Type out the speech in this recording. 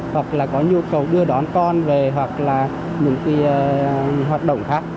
hoặc là có nhu cầu đưa đón con về hoặc là những hoạt động khác